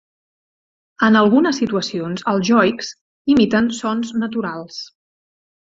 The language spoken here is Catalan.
En algunes situacions, els joiks imiten sons naturals.